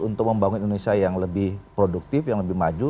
untuk membangun indonesia yang lebih produktif yang lebih maju